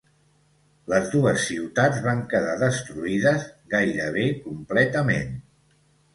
Les dues ciutats van quedar destruïdes gairebé completament.